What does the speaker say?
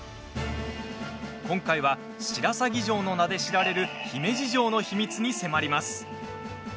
今回は、白鷺城の名で知られる姫路城の秘密に迫ります。